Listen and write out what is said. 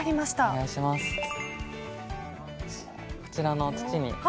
こちらの土に。